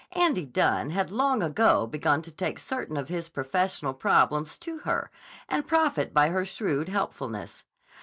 Andy Dunne had long ago begun to take certain of his professional problems to her and profit by her shrewd helpfulness.